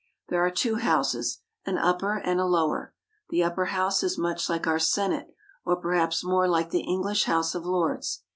There are two Houses, an Upper and a Lower. The Upper House is much like our Senate, or perhaps more like the English House of Lords.